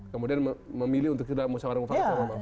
kemudian memilih untuk sudah musyawar wakil